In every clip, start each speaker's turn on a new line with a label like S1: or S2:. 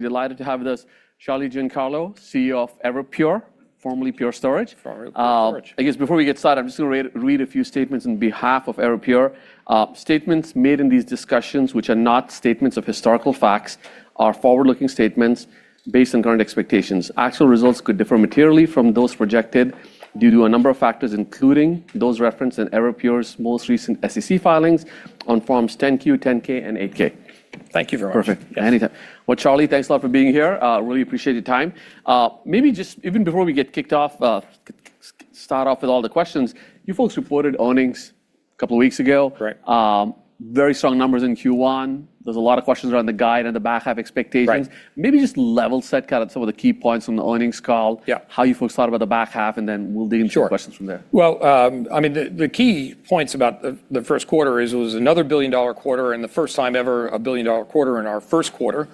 S1: Delighted to have with us Charles Giancarlo, CEO of Everpure, formerly Pure Storage.
S2: Formerly Pure Storage.
S1: I guess before we get started, I'm just going to read a few statements on behalf of Everpure. Statements made in these discussions which are not statements of historical facts are forward-looking statements based on current expectations. Actual results could differ materially from those projected due to a number of factors, including those referenced in Everpure's most recent SEC filings on Forms 10-Q, 10-K, and 8-K.
S2: Thank you very much.
S1: Perfect. Anytime. Well, Charlie, thanks a lot for being here. Really appreciate your time. Maybe just even before we get kicked off, start off with all the questions, you folks reported earnings a couple of weeks ago.
S2: Correct.
S1: Very strong numbers in Q1. There's a lot of questions around the guide and the back half expectations.
S2: Right.
S1: Maybe just level-set kind of some of the key points on the earnings call.
S2: Yeah.
S1: How you folks thought about the back half, and then we'll dig into the questions from there?
S2: Sure. Well, the key points about the first quarter is it was another billion-dollar quarter and the first time ever a billion-dollar quarter in our first quarter,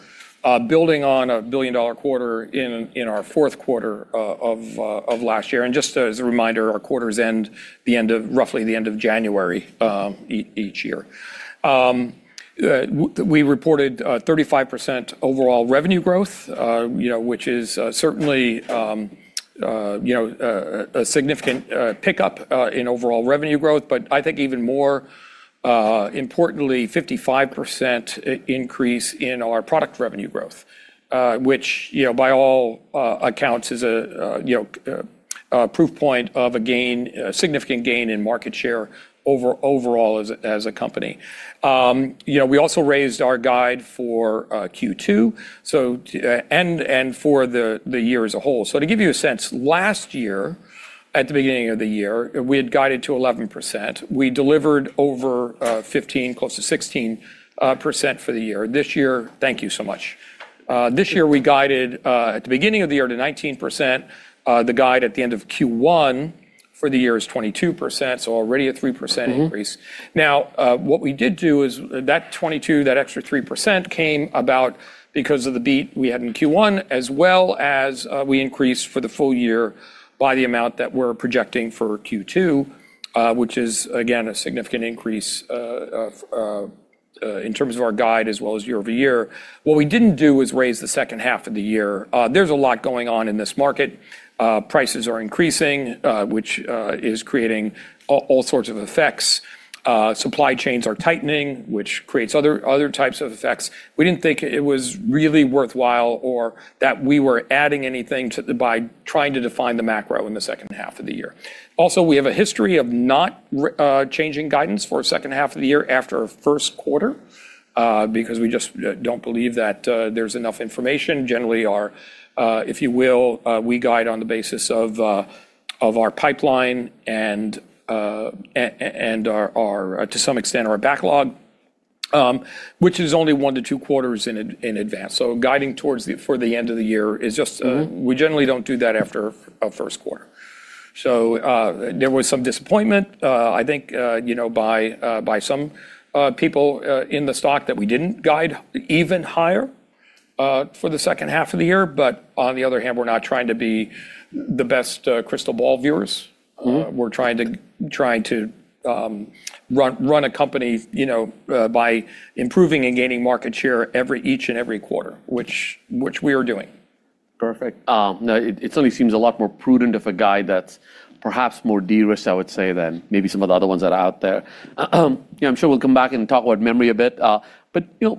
S2: building on a billion-dollar quarter in our fourth quarter of last year. Just as a reminder, our quarters end roughly the end of January each year. We reported 35% overall revenue growth, which is certainly a significant pickup in overall revenue growth. I think even more importantly, 55% increase in our product revenue growth, which, by all accounts, is a proof point of a significant gain in market share overall as a company. We also raised our guide for Q2 and for the year as a whole. To give you a sense, last year, at the beginning of the year, we had guided to 11%. We delivered over 15%, close to 16% for the year. Thank you so much. This year, we guided, at the beginning of the year, to 19%. The guide at the end of Q1 for the year is 22%, already a 3% increase. What we did do is that 22%, that extra 3% came about because of the beat we had in Q1, as well as we increased for the full year by the amount that we're projecting for Q2, which is, again, a significant increase in terms of our guide as well as year-over-year. What we didn't do is raise the second half of the year. There's a lot going on in this market. Prices are increasing, which is creating all sorts of effects. Supply chains are tightening, which creates other types of effects. We didn't think it was really worthwhile or that we were adding anything by trying to define the macro in the second half of the year. We have a history of not changing guidance for a second half of the year after a first quarter, because we just don't believe that there's enough information. Generally, if you will, we guide on the basis of our pipeline and, to some extent, our backlog, which is only one to two quarters in advance. Guiding towards for the end of the year is just we generally don't do that after a first quarter. There was some disappointment, I think, by some people in the stock that we didn't guide even higher for the second half of the year. On the other hand, we're not trying to be the best crystal ball viewers. We're trying to run a company by improving and gaining market share each and every quarter, which we are doing.
S1: Perfect. No, it certainly seems a lot more prudent of a guide that's perhaps more de-risked, I would say, than maybe some of the other ones that are out there. I'm sure we'll come back and talk about memory a bit.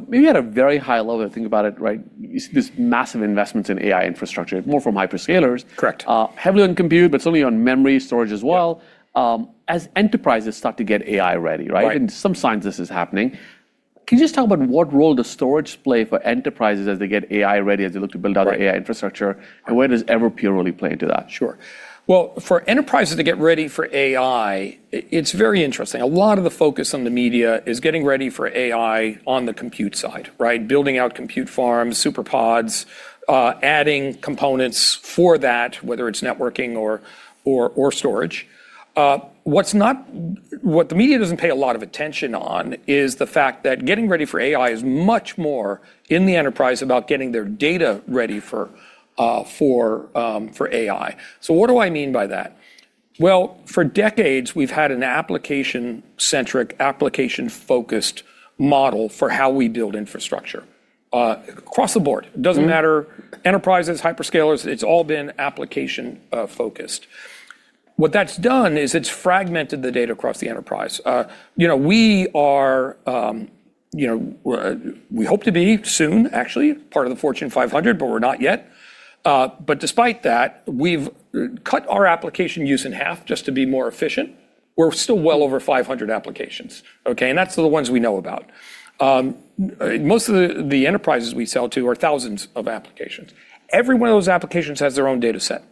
S1: Maybe at a very high level, think about it, these massive investments in AI infrastructure, more from hyperscalers.
S2: Correct.
S1: Heavily on compute, but certainly on memory storage as well. As enterprises start to get AI-ready.
S2: Right.
S1: Some signs this is happening. Can you just talk about what role does storage play for enterprises as they get AI-ready, as they look to build out their AI infrastructure? Where does Everpure really play into that?
S2: Sure. Well, for enterprises to get ready for AI, it's very interesting. A lot of the focus on the media is getting ready for AI on the compute side, right? Building out compute farms, super pods, adding components for that, whether it's networking or storage. What the media doesn't pay a lot of attention on is the fact that getting ready for AI is much more, in the enterprise, about getting their data ready for AI. What do I mean by that? Well, for decades, we've had an application-centric, application-focused model for how we build infrastructure. Across the board. Doesn't matter, enterprises, hyperscalers, it's all been application-focused. What that's done is it's fragmented the data across the enterprise. We hope to be, soon actually, part of the Fortune 500, but we're not yet. Despite that, we've cut our application use in half just to be more efficient. We're still well over 500 applications, okay? That's the ones we know about. Most of the enterprises we sell to are thousands of applications. Every one of those applications has their own data set,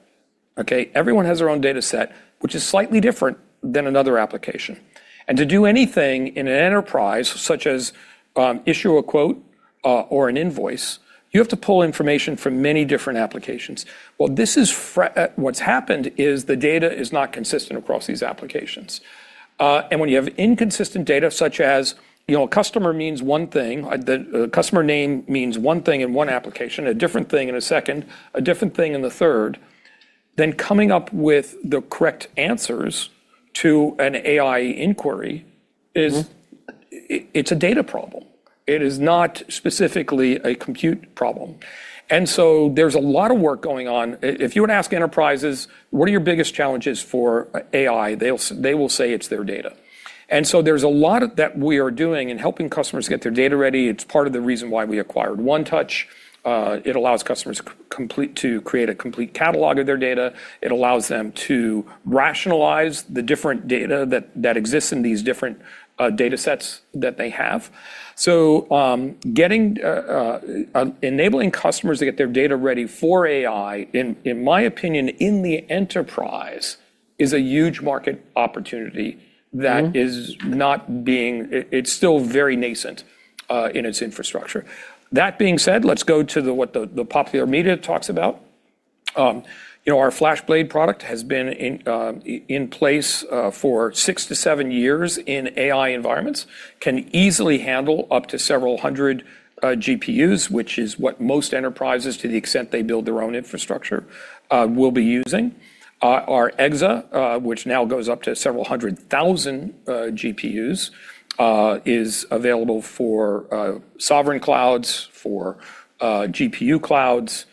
S2: okay? Every one has their own data set, which is slightly different than another application. To do anything in an enterprise, such as issue a quote or an invoice, you have to pull information from many different applications. What's happened is the data is not consistent across these applications. When you have inconsistent data such as a customer name means one thing in one application, a different thing in a second, a different thing in the third, then coming up with the correct answers to an AI inquiry. It's a data problem. It is not specifically a compute problem. There's a lot of work going on. If you were to ask enterprises, "What are your biggest challenges for AI?" They will say it's their data. There's a lot that we are doing in helping customers get their data ready. It's part of the reason why we acquired 1touch. It allows customers to create a complete catalog of their data. It allows them to rationalize the different data that exists in these different data sets that they have. Enabling customers to get their data ready for AI, in my opinion, in the enterprise, is a huge market opportunity. That is still very nascent in its infrastructure. That being said, let's go to what the popular media talks about. Our FlashBlade product has been in place for six to seven years in AI environments. It can easily handle up to several hundred GPUs, which is what most enterprises, to the extent they build their own infrastructure, will be using. Our FlashBlade//EXA, which now goes up to several hundred thousand GPUs, is available for sovereign clouds, for GPU clouds,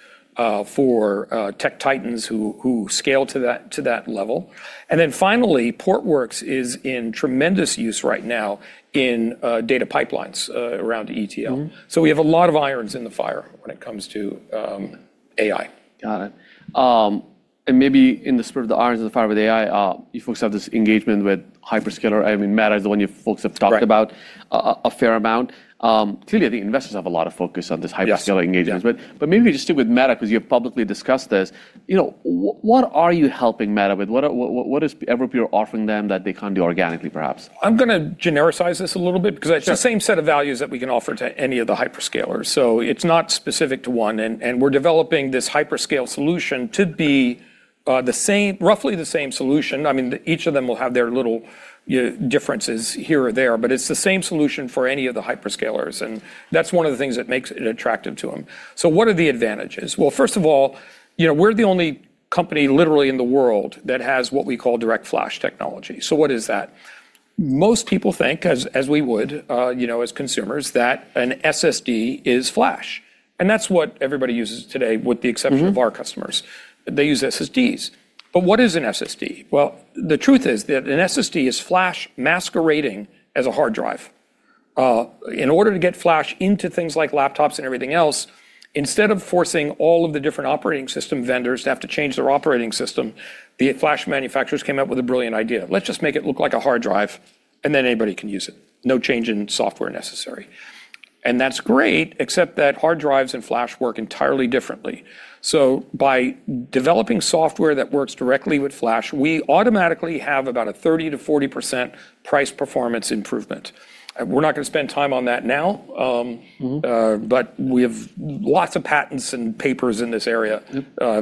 S2: for tech titans who scale to that level. Finally, Portworx is in tremendous use right now in data pipelines around ETL. We have a lot of irons in the fire when it comes to AI.
S1: Got it. Maybe in the spirit of the irons in the fire with AI, you folks have this engagement with hyperscaler. Meta is the one you folks have talked about a fair amount. Clearly, I think investors have a lot of focus on thes hyperscaler engagements. Maybe we just stick with Meta because you have publicly discussed this. What are you helping Meta with? What is Everpure offering them that they can't do organically, perhaps?
S2: I'm going to genericize this a little bit. It's the same set of values that we can offer to any of the hyperscalers, so it's not specific to one, and we're developing this hyperscale solution to be roughly the same solution. Each of them will have their little differences here or there, but it's the same solution for any of the hyperscalers, and that's one of the things that makes it attractive to them. What are the advantages? Well, first of all, we're the only company literally in the world that has what we call DirectFlash technology. What is that? Most people think, as we would, as consumers, that an SSD is flash, and that's what everybody uses today, with the exception. of our customers. They use SSDs. What is an SSD? Well, the truth is that an SSD is flash masquerading as a hard drive. In order to get flash into things like laptops and everything else, instead of forcing all of the different operating system vendors to have to change their operating system, the flash manufacturers came up with a brilliant idea. Let's just make it look like a hard drive, and then anybody can use it. No change in software necessary. That's great, except that hard drives and flash work entirely differently. By developing software that works directly with flash, we automatically have about a 30%-40% price performance improvement. We're not going to spend time on that now. We have lots of patents and papers in this area.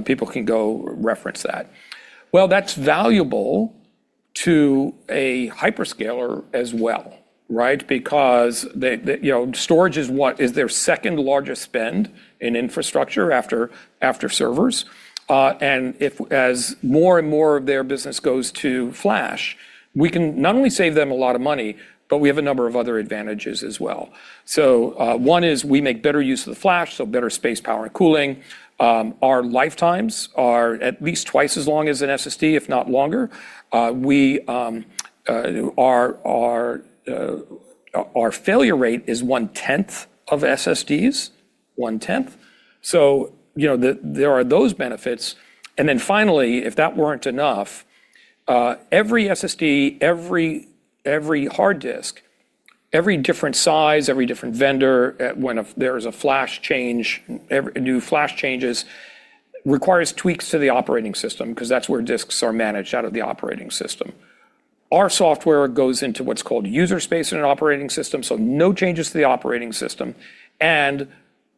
S2: People can go reference that. That's valuable to a hyperscaler as well, right? Storage is their second-largest spend in infrastructure after servers. As more and more of their business goes to flash, we can not only save them a lot of money, but we have a number of other advantages as well. One is we make better use of the flash, so better space, power, and cooling. Our lifetimes are at least twice as long as an SSD, if not longer. Our failure rate is one-tenth of SSDs. One-tenth. There are those benefits, and then finally, if that weren't enough, every SSD, every hard disk, every different size, every different vendor, when there is a flash change, new flash changes, requires tweaks to the operating system because that's where disks are managed, out of the operating system. Our software goes into what's called user space in an operating system, so no changes to the operating system, and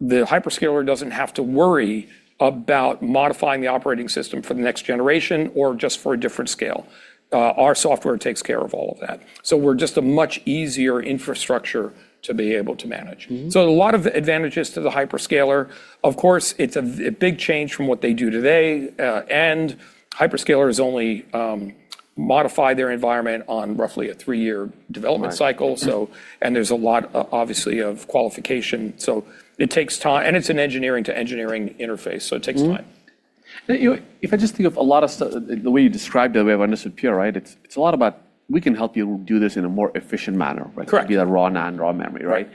S2: the hyperscaler doesn't have to worry about modifying the operating system for the next generation or just for a different scale. Our software takes care of all of that. We're just a much easier infrastructure to be able to manage. A lot of advantages to the hyperscaler. Of course, it's a big change from what they do today. Hyperscalers only modify their environment on roughly a three-year development cycle. There's a lot, obviously, of qualification, so it takes time, and it's an engineering-to-engineering interface, so it takes time.
S1: If I just think of a lot of the stuff, the way you described it, the way I've understood Pure, right, it's a lot about we can help you do this in a more efficient manner, right?
S2: Correct.
S1: Be that raw NAND, raw memory, right?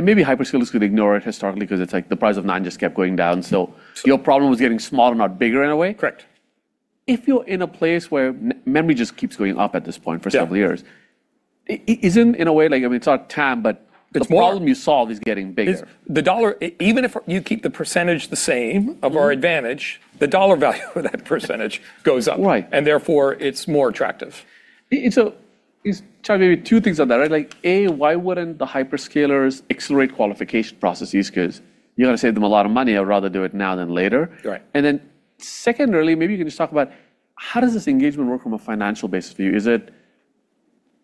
S1: Maybe hyperscalers could ignore it historically because it's like the price of NAND just kept going down, so your problem was getting smaller, not bigger, in a way.
S2: Correct. If you're in a place where memory just keeps going up at this point for several years, isn't, in a way, it's not TAM but the problem you solve is getting bigger. Even if you keep the percentage the same of our advantage, the dollar value of that percentage goes up. Therefore, it's more attractive.
S1: Charlie, maybe two things on that, right? A, why wouldn't the hyperscalers accelerate qualification processes? You're going to save them a lot of money. I'd rather do it now than later.
S2: Right.
S1: Secondly, maybe you can just talk about how does this engagement work from a financial basis for you? Is it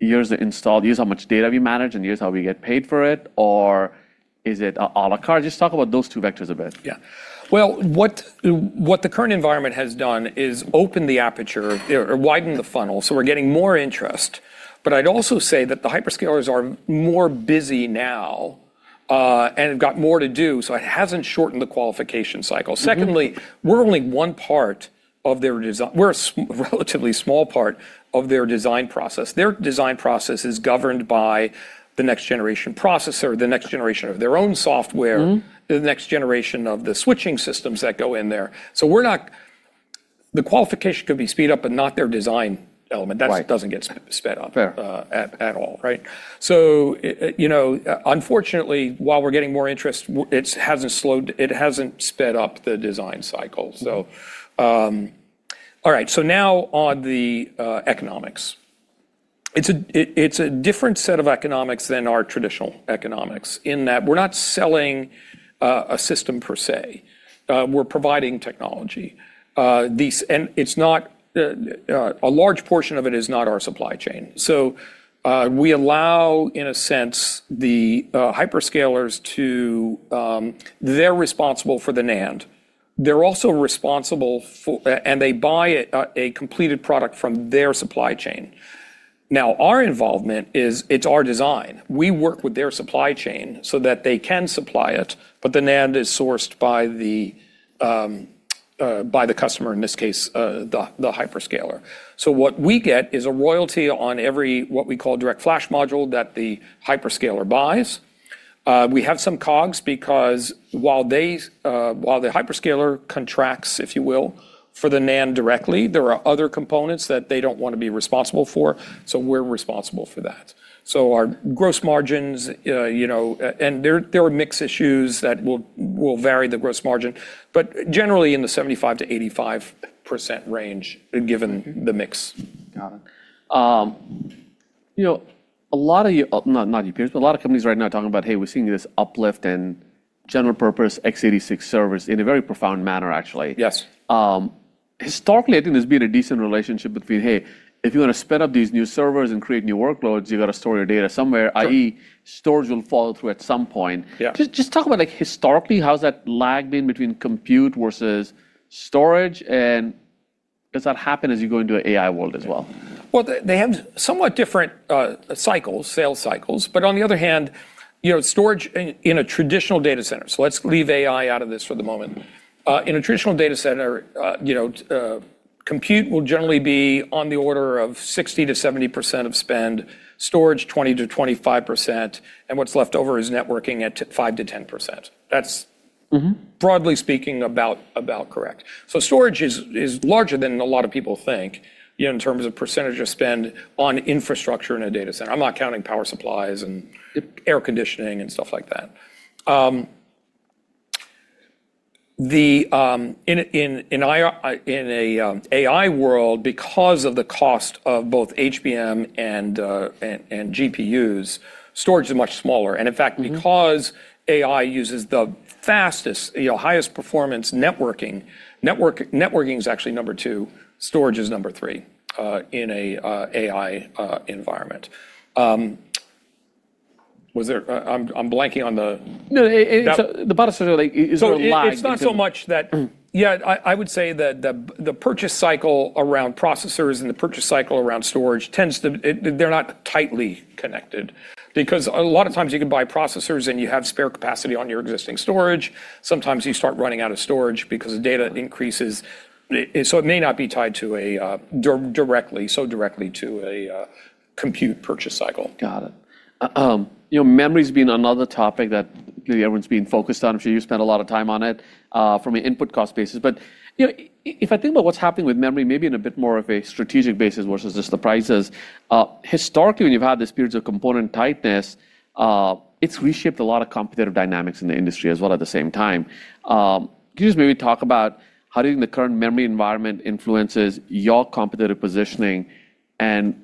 S1: here's the install, here's how much data we manage, and here's how we get paid for it? Is it à la carte? Just talk about those two vectors a bit.
S2: Yeah. Well, what the current environment has done is open the aperture or widen the funnel. We're getting more interest. I'd also say that the hyperscalers are more busy now, and have got more to do. It hasn't shortened the qualification cycle. Secondly, we're only one part of their design process. We're a relatively small part of their design process. Their design process is governed by the next-generation processor, the next generation of their own software the next generation of the switching systems that go in there. The qualification could be sped up, but not their design element.
S1: Right.
S2: That doesn't get sped up at all. Right. Unfortunately, while we're getting more interest, it hasn't sped up the design cycle. All right, now on the economics. It's a different set of economics than our traditional economics in that we're not selling a system per se. We're providing technology. A large portion of it is not our supply chain. We allow, in a sense, the hyperscalers. They're responsible for the NAND. They're also responsible. They buy a completed product from their supply chain. Now, our involvement is it's our design. We work with their supply chain so that they can supply it, but the NAND is sourced by the customer, in this case, the hyperscaler. What we get is a royalty on every, what we call, DirectFlash Module that the hyperscaler buys. We have some COGS because while the hyperscaler contracts, if you will, for the NAND directly, there are other components that they don't want to be responsible for. We're responsible for that. Our gross margins, and there are mix issues that will vary the gross margin, but generally in the 75%-85% range, given the mix.
S1: Got it. A lot of your, not your peers, but a lot of companies right now are talking about, "Hey, we're seeing this uplift in general purpose x86 servers in a very profound manner, actually.
S2: Yes.
S1: Historically, I think there's been a decent relationship between, hey, if you want to spin up these new servers and create new workloads, you've got to store your data somewhere, i.e., storage will follow through at some point.
S2: Yeah.
S1: Just talk about, historically, how has that lagged in between compute versus storage, and does that happen as you go into an AI world as well?
S2: Well, they have somewhat different cycles, sales cycles. On the other hand, storage in a traditional data center, so let's leave AI out of this for the moment. In a traditional data center, compute will generally be on the order of 60%-70% of spend, storage 20%-25%, and what's left over is networking at 5%-10% broadly speaking, about correct. Storage is larger than a lot of people think in terms of percentage of spend on infrastructure in a data center. I'm not counting power supplies and air conditioning and stuff like that. In an AI world, because of the cost of both HBM and GPUs, storage is much smaller. Because AI uses the fastest, highest performance networking is actually number two, storage is number three in a AI environment.
S1: No, the bottom is sort of lag between.
S2: It's not so much that. Yeah, I would say that the purchase cycle around processors and the purchase cycle around storage tends to, they're not tightly connected because a lot of times you can buy processors and you have spare capacity on your existing storage. Sometimes you start running out of storage because the data increases. It may not be tied so directly to a compute purchase cycle.
S1: Got it. Memory's been another topic that everyone's been focused on. I'm sure you spend a lot of time on it, from an input cost basis. If I think about what's happening with memory, maybe in a bit more of a strategic basis versus just the prices, historically, when you've had these periods of component tightness, it's reshaped a lot of competitive dynamics in the industry as well at the same time. Can you just maybe talk about how do you think the current memory environment influences your competitive positioning and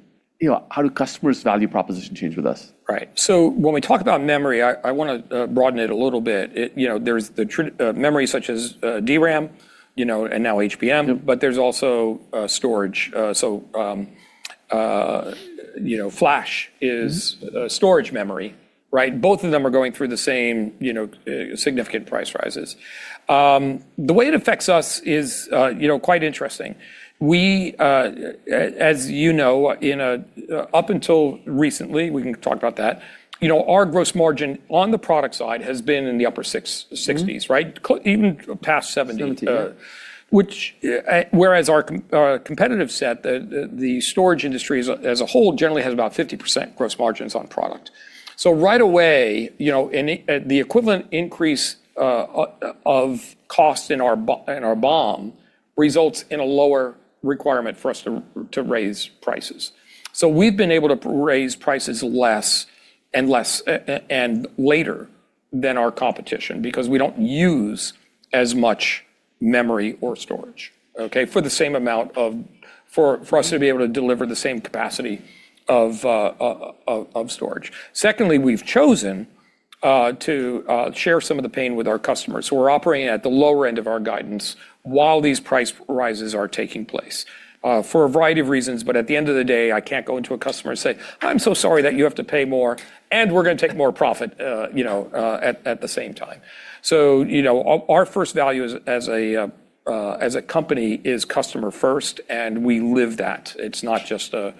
S1: how do customers' value proposition change with us?
S2: Right. When we talk about memory, I want to broaden it a little bit. There's the memory such as DRAM, and now HBM, but there's also storage, a storage memory, right? Both of them are going through the same significant price rises. The way it affects us is quite interesting. We, as you know, up until recently, we can talk about that, our gross margin on the product side has been in the upper 60s%, right? Even past 70%.
S1: 70, yeah.
S2: Whereas our competitive set, the storage industry as a whole, generally has about 50% gross margins on product. Right away, the equivalent increase of cost in our BOM results in a lower requirement for us to raise prices. We've been able to raise prices less and later than our competition because we don't use as much memory or storage, okay, for us to be able to deliver the same capacity of storage. Secondly, we've chosen to share some of the pain with our customers, who are operating at the lower end of our guidance while these price rises are taking place. For a variety of reasons, but at the end of the day, I can't go into a customer and say, "I'm so sorry that you have to pay more, and we're going to take more profit at the same time." Our first value as a company is customer first, and we live that. It's not just a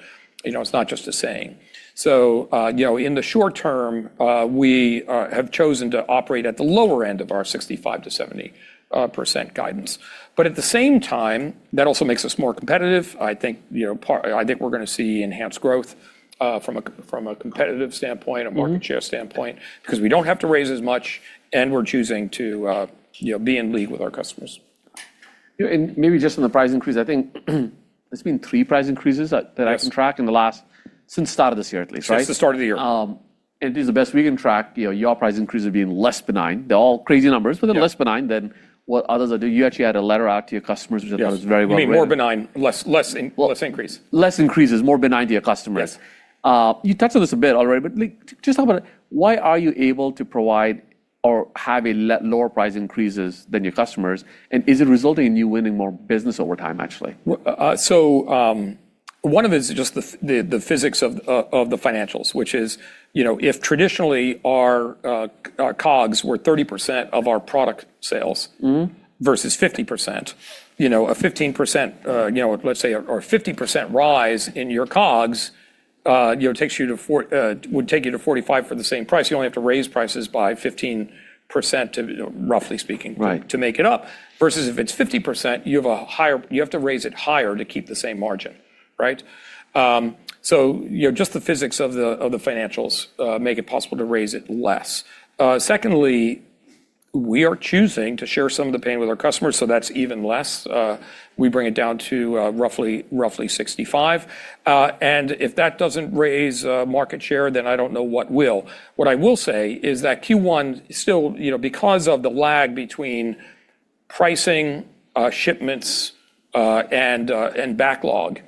S2: saying. In the short term, we have chosen to operate at the lower end of our 65%-70% guidance. At the same time, that also makes us more competitive. I think we're going to see enhanced growth from a competitive standpoint, a market share standpoint, because we don't have to raise as much, and we're choosing to be in league with our customers.
S1: Maybe just on the price increase, I think there's been three price increases that I can track in the last, since the start of this year, at least, right?
S2: Since the start of the year.
S1: It is the best we can track. Your price increases are being less benign. They're all crazy numbers.
S2: Yeah
S1: They're less benign than what others are doing. You actually had a letter out to your customers, which I thought was very well-read.
S2: You mean more benign, less increase.
S1: Less increases, more benign to your customers. You touched on this a bit already, but just talk about it, why are you able to provide or have a lot lower price increases than your customers, and is it resulting in you winning more business over time, actually?
S2: One of it is just the physics of the financials, which is if traditionally our COGS were 30% of our product sales versus 50%, a 15%, let's say, or a 50% rise in your COGS would take you to 45% for the same price. You only have to raise prices by 15%, roughly speaking to make it up. Versus if it's 50%, you have to raise it higher to keep the same margin. Right? Just the physics of the financials make it possible to raise it less. Secondly, we are choosing to share some of the pain with our customers, that's even less. We bring it down to roughly 65%. If that doesn't raise market share, then I don't know what will. What I will say is that Q1 still, because of the lag between pricing, shipments, and backlog.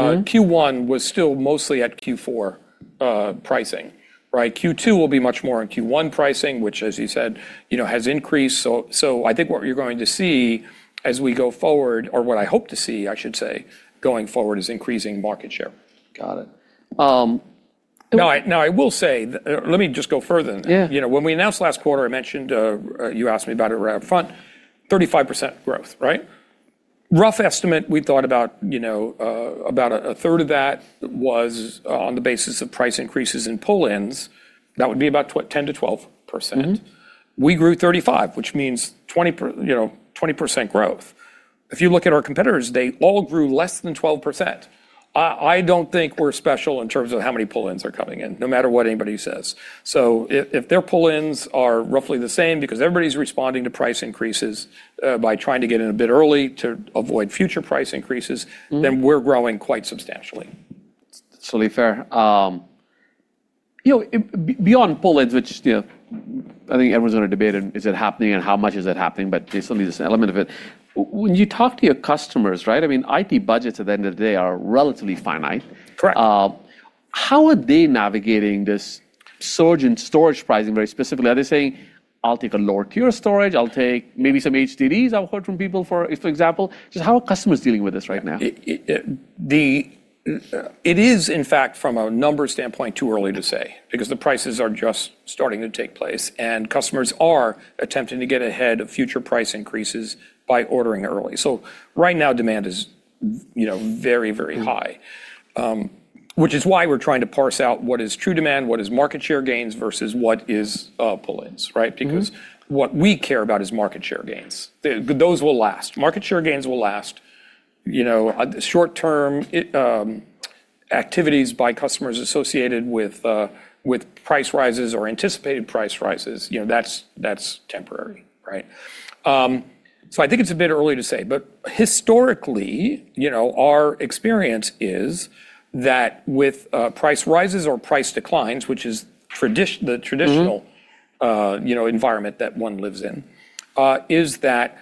S2: Q1 was still mostly at Q4 pricing. Right? Q2 will be much more on Q1 pricing, which, as you said, has increased. I think what you're going to see as we go forward, or what I hope to see, I should say, going forward, is increasing market share.
S1: Got it.
S2: Now, I will say, let me just go further than that.
S1: Yeah.
S2: When we announced last quarter, I mentioned, you asked me about it right up front, 35% growth. Right? Rough estimate, we thought about a third of that was on the basis of price increases in pull-ins. That would be about, what, 10%-12%. We grew 35%, which means 20% growth. If you look at our competitors, they all grew less than 12%. I don't think we're special in terms of how many pull-ins are coming in, no matter what anybody says. If their pull-ins are roughly the same because everybody's responding to price increases by trying to get in a bit early to avoid future price increases. We're growing quite substantially.
S1: It's totally fair. Beyond pull-ins, which I think everyone's going to debate is it happening and how much is it happening, but there's certainly this element of it. When you talk to your customers, right, IT budgets at the end of the day are relatively finite.
S2: Correct.
S1: How are they navigating this surge in storage pricing very specifically? Are they saying, "I'll take a lower-tier storage. I'll take maybe some HDDs," I've heard from people, for example. Just how are customers dealing with this right now?
S2: It is, in fact, from a numbers standpoint, too early to say, because the prices are just starting to take place, and customers are attempting to get ahead of future price increases by ordering early. Right now, demand is very high. Which is why we're trying to parse out what is true demand, what is market share gains, versus what is pull-ins, right? Because what we care about is market share gains. Those will last. Market share gains will last. Short-term activities by customers associated with price rises or anticipated price rises, that's temporary, right? I think it's a bit early to say, but historically our experience is that with price rises or price declines. Environment that one lives in, is that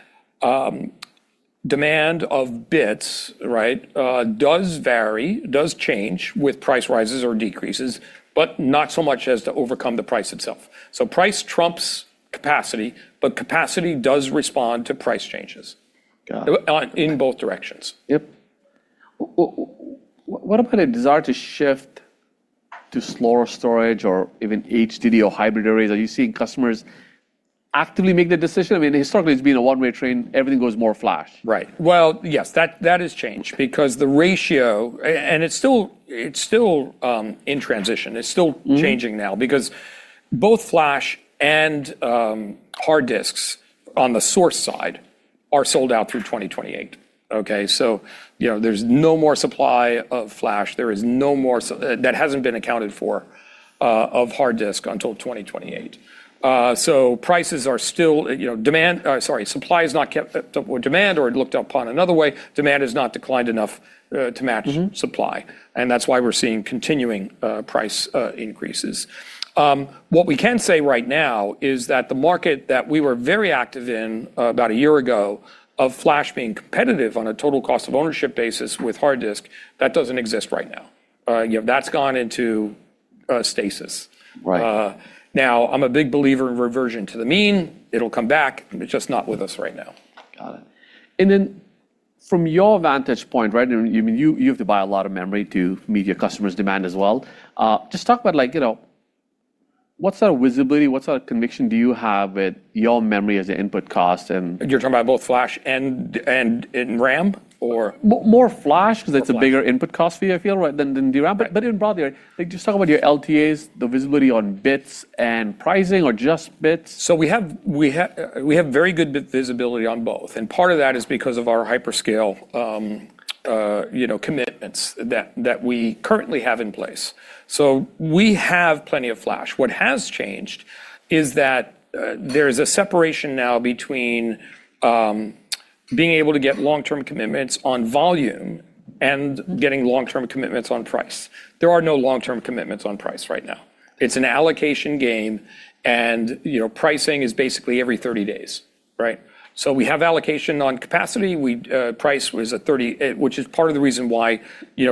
S2: demand of bits, right, does vary, does change with price rises or decreases, but not so much as to overcome the price itself. Price trumps capacity, but capacity does respond to price changes in both directions.
S1: Yep. What about a desire to shift to slower storage or even HDD or hybrid arrays? Are you seeing customers actively make the decision? Historically, it's been a one-way train, everything goes more flash.
S2: Right. Well, yes, that has changed because the ratio, and it's still in transition changing now, because both flash and hard disks on the source side are sold out through 2028. Okay? There's no more supply of flash, that hasn't been accounted for, of hard disk until 2028. Prices are still, demand, sorry, supply has not kept up with demand, or looked upon another way, demand has not declined enough to match supply, and that's why we're seeing continuing price increases. What we can say right now is that the market that we were very active in about a year ago of flash being competitive on a total cost of ownership basis with hard disk, that doesn't exist right now. That's gone into stasis.
S1: Right.
S2: I'm a big believer in reversion to the mean. It'll come back, but just not with us right now.
S1: Got it. From your advantage point, you have to buy a lot of memory to meet your customers' demand as well. Just talk about what sort of visibility, what sort of conviction do you have with your memory as an input cost.
S2: You're talking about both flash and in RAM.
S1: More flash because it's a bigger input cost for you, I feel, right, than DRAM. In broad, just talk about your LTAs, the visibility on bits and pricing or just bits.
S2: We have very good visibility on both, and part of that is because of our hyperscale commitments that we currently have in place. We have plenty of flash. What has changed is that there's a separation now between being able to get long-term commitments on volume and getting long-term commitments on price. There are no long-term commitments on price right now. It's an allocation game, and pricing is basically every 30 days, right? We have allocation on capacity. Price was at 30, which is part of the reason why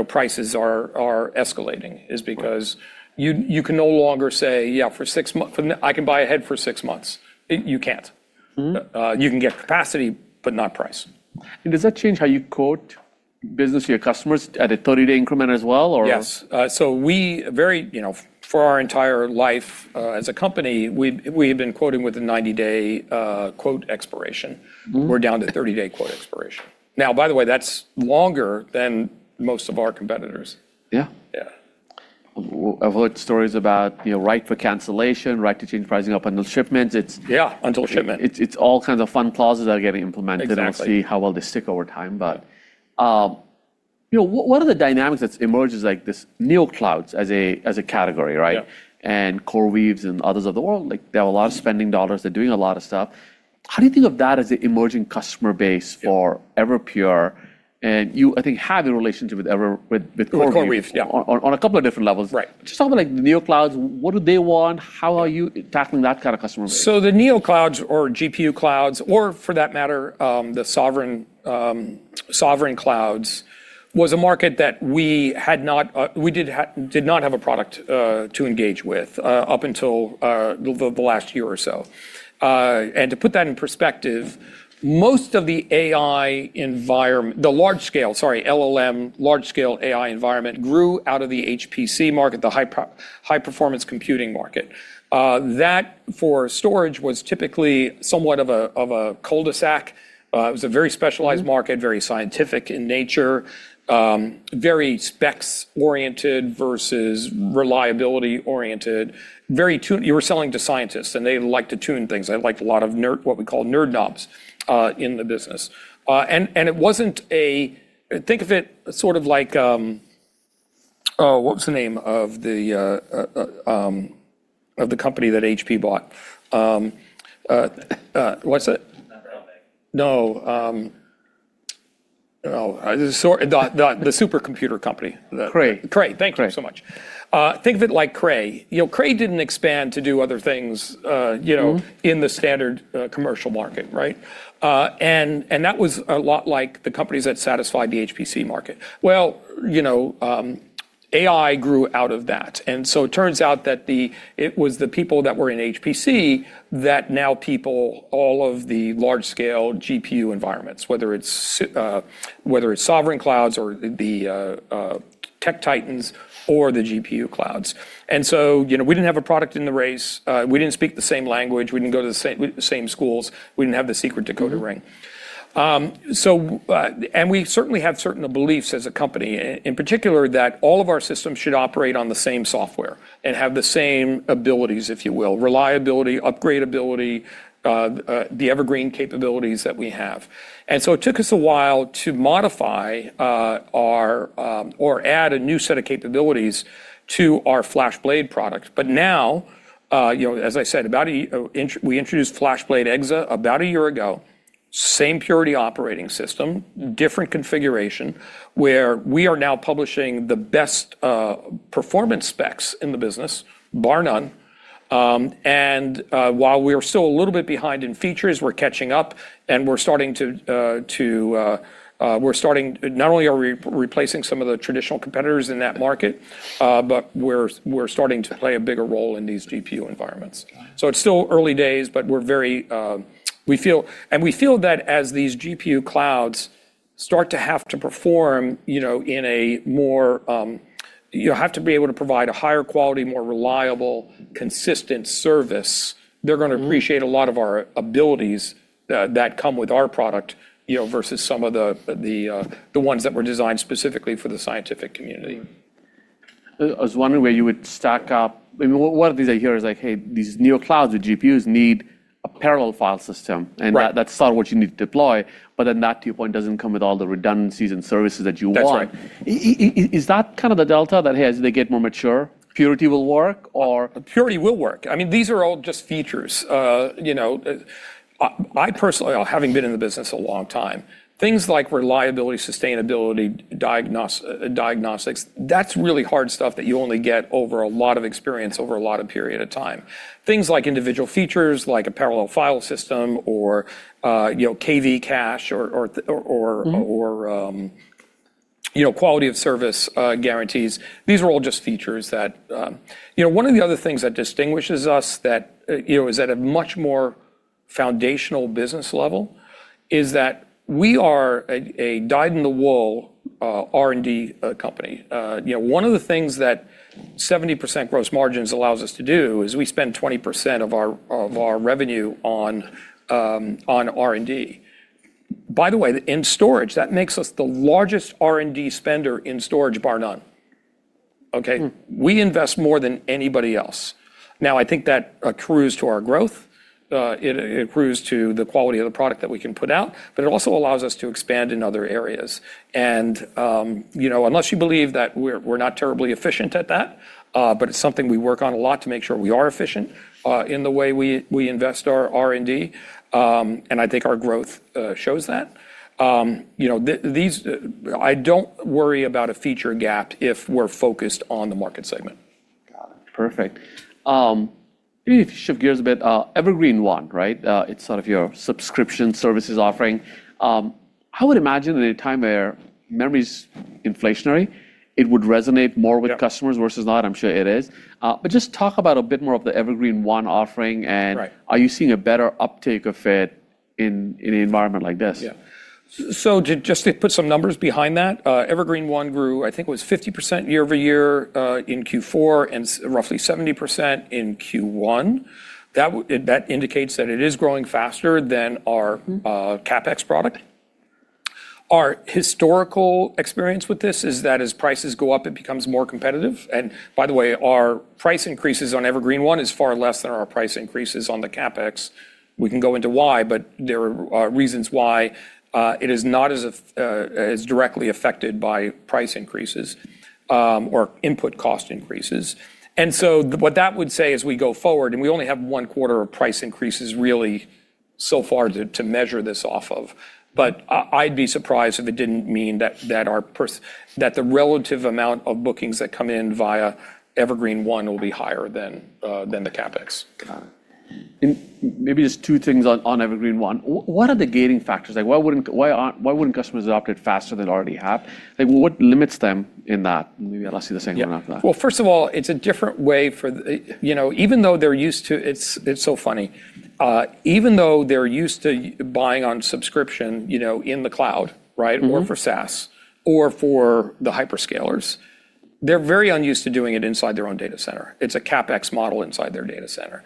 S2: prices are escalating, is because you can no longer say, "I can buy ahead for six months." You can't. You can get capacity but not price.
S1: Does that change how you quote business to your customers at a 30-day increment as well or?
S2: Yes. For our entire life as a company, we have been quoting with a 90-day quote expiration. We're down to 30-day quote expiration. By the way, that's longer than most of our competitors.
S1: Yeah.
S2: Yeah.
S1: I've heard stories about right for cancellation, right to change pricing up until shipment.
S2: Yeah, until shipment.
S1: It's all kinds of fun clauses that are getting implemented.
S2: Exactly.
S1: We'll see how well they stick over time. One of the dynamics that's emerged is this neoclouds as a category, right? CoreWeave and others of the world, they have a lot of spending dollars. They're doing a lot of stuff. How do you think of that as an emerging customer base for Everpure? You, I think, have a relationship with CoreWeave?
S2: With CoreWeave, yeah.
S1: On a couple of different levels. Just talk about the neoclouds. What do they want? How are you tackling that kind of customer base?
S2: The neoclouds or GPU clouds, or for that matter, the sovereign clouds, was a market that we did not have a product to engage with up until the last year or so. To put that in perspective, most of the large-scale, sorry, LLM, large scale AI environment grew out of the HPC market, the high-performance computing market. For storage, was typically somewhat of a cul-de-sac. It was a very specialized market, very scientific in nature, very specs-oriented versus reliability-oriented. You were selling to scientists, and they like to tune things. They liked a lot of what we call nerd knobs in the business. Think of it sort of like, what was the name of the company that HP bought? What's it? No. The supercomputer company.
S1: Cray.
S2: Cray. Thank you so much. Think of it like Cray. Cray didn't expand to do other things in the standard commercial market, right? That was a lot like the companies that satisfied the HPC market. Well, AI grew out of that. It turns out that it was the people that were in HPC that now people all of the large-scale GPU environments, whether it's sovereign clouds or the tech titans or the GPU clouds. We didn't have a product in the race. We didn't speak the same language. We didn't go to the same schools. We didn't have the secret decoder ring. We certainly have certain beliefs as a company, in particular, that all of our systems should operate on the same software and have the same abilities, if you will, reliability, upgrade ability, the Evergreen capabilities that we have. It took us a while to modify or add a new set of capabilities to our FlashBlade product. Now, as I said, we introduced FlashBlade//EXA about a year ago, same Purity operating system, different configuration, where we are now publishing the best performance specs in the business, bar none. While we are still a little bit behind in features, we're catching up and not only are we replacing some of the traditional competitors in that market, but we're starting to play a bigger role in these GPU environments.
S1: Got it.
S2: It's still early days, but we feel that as these GPU clouds start to have to perform, you have to be able to provide a higher quality, more reliable, consistent service. They're going to appreciate a lot of our abilities that come with our product, versus some of the ones that were designed specifically for the scientific community.
S1: I was wondering where you would stack up. One of the things I hear is like, "Hey, these neoclouds with GPUs need a parallel file system. That's sort of what you need to deploy. That, to your point, doesn't come with all the redundancies and services that you want.
S2: That's right.
S1: Is that the delta that as they get more mature, Purity will work or?
S2: Purity will work. These are all just features. I personally, having been in the business a long time, things like reliability, sustainability, diagnostics, that's really hard stuff that you only get over a lot of experience over a lot of period of time. Things like individual features, like a parallel file system or KV cache. Quality of service guarantees. These are all just features. One of the other things that distinguishes us is at a much more foundational business level, is that we are a dyed-in-the-wool R&D company. One of the things that 70% gross margins allows us to do is we spend 20% of our revenue on R&D. By the way, in storage, that makes us the largest R&D spender in storage, bar none. Okay? We invest more than anybody else. I think that accrues to our growth, it accrues to the quality of the product that we can put out, but it also allows us to expand in other areas. Unless you believe that we're not terribly efficient at that, but it's something we work on a lot to make sure we are efficient in the way we invest our R&D, and I think our growth shows that. I don't worry about a feature gap if we're focused on the market segment.
S1: Got it. Perfect. If you shift gears a bit, Evergreen//One, right? It's sort of your subscription services offering. I would imagine in a time where memory's inflationary, it would resonate with customers versus not. I'm sure it is. Just talk about a bit more of the Evergreen//One offering. Are you seeing a better uptake of it in an environment like this?
S2: Yeah. Just to put some numbers behind that, Evergreen//One grew, I think it was 50% year-over-year, in Q4, and roughly 70% in Q1. That indicates that it is growing faster than our CapEx product. Our historical experience with this is that as prices go up, it becomes more competitive. By the way, our price increases on Evergreen//One is far less than our price increases on the CapEx. We can go into why, there are reasons why it is not as directly affected by price increases or input cost increases. What that would say as we go forward, and we only have one quarter of price increases really so far to measure this off of, but I'd be surprised if it didn't mean that the relative amount of bookings that come in via Evergreen//One will be higher than the CapEx.
S1: Got it. Maybe just two things on Evergreen//One. What are the gating factors? Why wouldn't customers adopt it faster than they already have? What limits them in that? Maybe I'll ask you the second one after that.
S2: Well, first of all, it's a different way. It's so funny. Even though they're used to buying on subscription in the cloud, right or for SaaS or for the hyperscalers, they're very unused to doing it inside their own data center. It's a CapEx model inside their data center.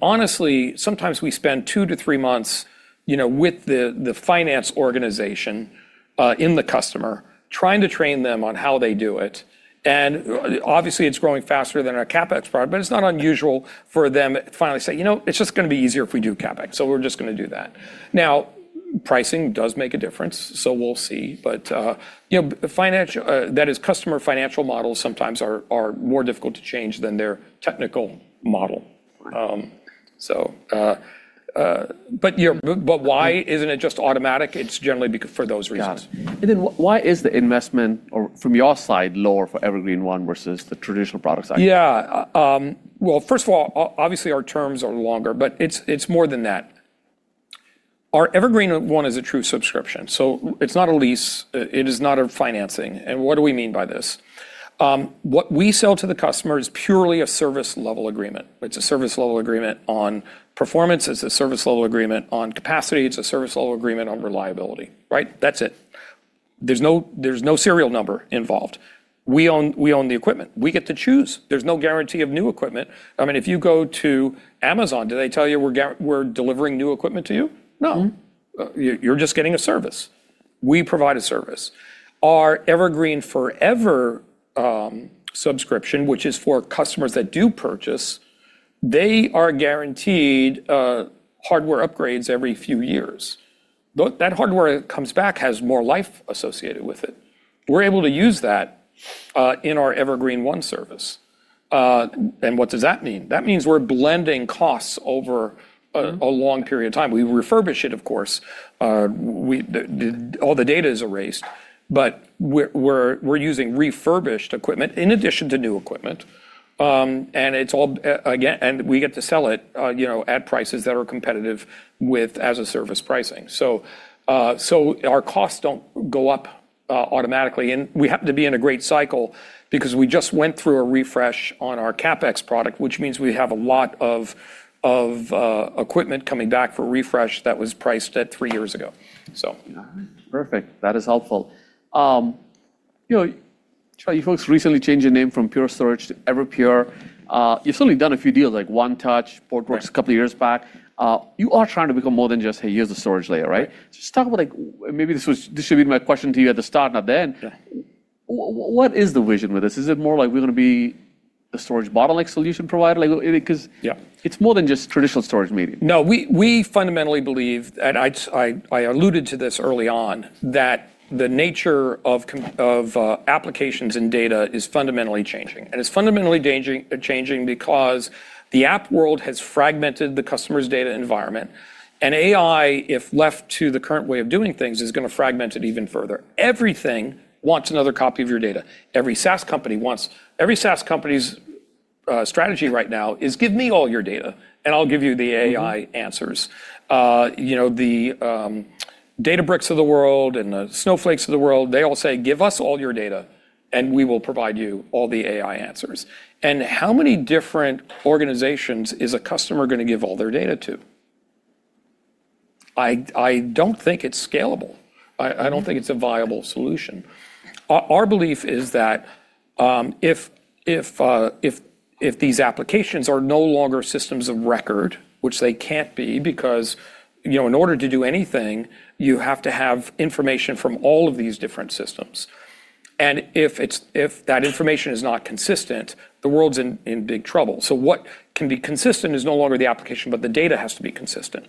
S2: Honestly, sometimes we spend two to three months with the finance organization in the customer, trying to train them on how they do it. Obviously, it's growing faster than our CapEx product, but it's not unusual for them to finally say, "You know, it's just going to be easier if we do CapEx, so we're just going to do that." Now, pricing does make a difference, so we'll see. That is customer financial models sometimes are more difficult to change than their technical model.
S1: Right.
S2: Why isn't it just automatic? It's generally for those reasons.
S1: Got it. Why is the investment, or from your side, lower for Evergreen//One versus the traditional product side?
S2: Yeah. Well, first of all, obviously, our terms are longer, but it's more than that. Our Evergreen//One is a true subscription, so it's not a lease, it is not a financing. What do we mean by this? What we sell to the customer is purely a service-level agreement. It's a service level agreement on performance. It's a service level agreement on capacity. It's a service level agreement on reliability, right? That's it. There's no serial number involved. We own the equipment. We get to choose. There's no guarantee of new equipment. If you go to Amazon, do they tell you, "We're delivering new equipment to you?" No. You're just getting a service. We provide a service. Our Evergreen//Forever subscription, which is for customers that do purchase, they are guaranteed hardware upgrades every few years. That hardware that comes back has more life associated with it. We're able to use that in our Evergreen//One service. What does that mean? That means we're blending costs over a long period of time. We refurbish it, of course. All the data is erased. We're using refurbished equipment in addition to new equipment, and we get to sell it at prices that are competitive with as-a-service pricing. Our costs don't go up automatically, and we happen to be in a great cycle because we just went through a refresh on our CapEx product, which means we have a lot of equipment coming back for refresh that was priced at three years ago.
S1: All right. Perfect. That is helpful. You folks recently changed your name from Pure Storage to Everpure. You've certainly done a few deals like 1touch, Portworx a couple of years back. You are trying to become more than just, "Hey, here's the storage layer," right? Just talk about like, maybe this should've been my question to you at the start, not the end. What is the vision with this? Is it more like we're going to be a storage bottleneck solution provider?
S2: Yeah
S1: It's more than just traditional storage medium.
S2: No. We fundamentally believe, I alluded to this early on, that the nature of applications and data is fundamentally changing. It's fundamentally changing because the app world has fragmented the customer's data environment. AI, if left to the current way of doing things, is going to fragment it even further. Everything wants another copy of your data. Every SaaS company's strategy right now is give me all your data and I'll give you the AI answers. The Databricks of the world and the Snowflake of the world, they all say, "Give us all your data and we will provide you all the AI answers." How many different organizations is a customer going to give all their data to? I don't think it's scalable. I don't think it's a viable solution. Our belief is that if these applications are no longer systems of record, which they can't be because in order to do anything, you have to have information from all of these different systems. If that information is not consistent, the world's in big trouble. What can be consistent is no longer the application, but the data has to be consistent.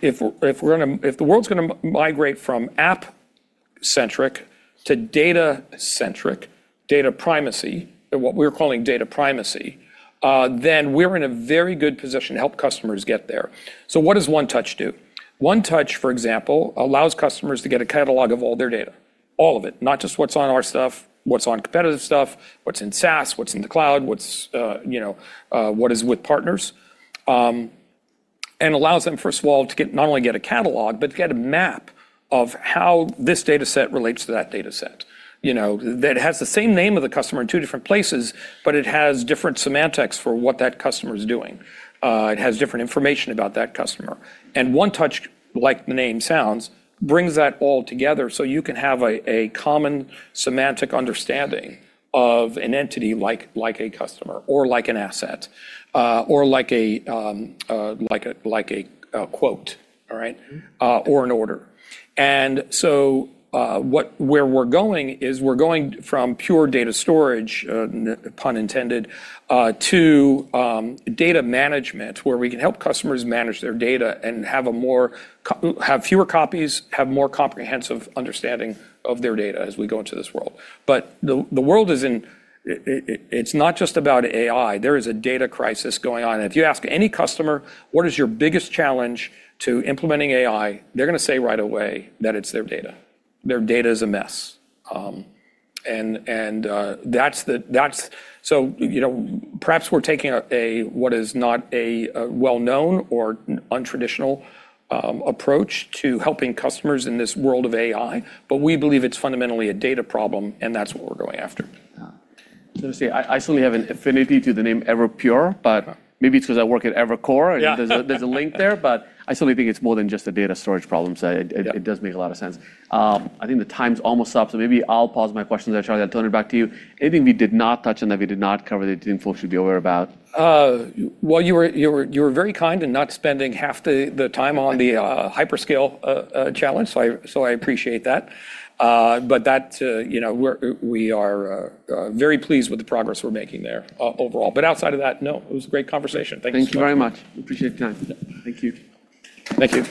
S2: If the world's going to migrate from app-centric to data-centric, data primacy, what we're calling data primacy, we're in a very good position to help customers get there. What does 1touch do? 1touch, for example, allows customers to get a catalog of all their data, all of it, not just what's on our stuff, what's on competitive stuff, what's in SaaS, what's in the cloud, what is with partners, and allows them, first of all, to not only get a catalog, but to get a map of how this data set relates to that data set. That it has the same name of the customer in two different places, but it has different semantics for what that customer is doing. It has different information about that customer. 1touch, like the name sounds, brings that all together so you can have a common semantic understanding of an entity like a customer or like an asset, or like a quote, all right, or an order. Where we're going is we're going from pure data storage, pun intended, to data management, where we can help customers manage their data and have fewer copies, have more comprehensive understanding of their data as we go into this world. It's not just about AI. There is a data crisis going on. If you ask any customer, "What is your biggest challenge to implementing AI?" They're going to say right away that it's their data. Their data is a mess. Perhaps we're taking a what is not a well-known or untraditional approach to helping customers in this world of AI, but we believe it's fundamentally a data problem, and that's what we're going after.
S1: Yeah. I was going to say, I certainly have an affinity to the name Everpure, but maybe it's because I work at Evercore.
S2: Yeah.
S1: There's a link there. I certainly think it's more than just a data storage problem. It does make a lot of sense. I think the time's almost up. Maybe I'll pause my questions there, Charlie. I'll turn it back to you. Anything we did not touch on that we did not cover that you think folks should be aware about?
S2: You were very kind in not spending half the time on the hyperscale challenge, so I appreciate that. We are very pleased with the progress we're making there overall. Outside of that, no, it was a great conversation. Thank you.
S1: Thank you very much. We appreciate the time.
S2: Yeah.
S1: Thank you.
S2: Thank you.